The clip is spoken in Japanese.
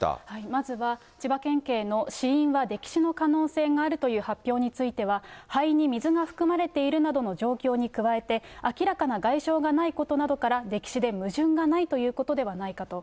まずは千葉県警の死因は溺死の可能性があるという発表については、肺に水が含まれているなどの状況に加えて、明らかな外傷がないことなどから、溺死で矛盾がないということではないかと。